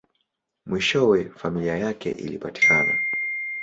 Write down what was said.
Mwishowe, familia yake ilipatikana.